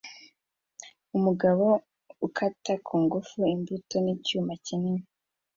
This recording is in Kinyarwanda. Umugabo ukata fungura imbuto nicyuma kinini